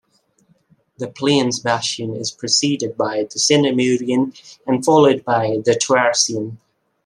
The Pliensbachian is preceded by the Sinemurian and followed by the Toarcian.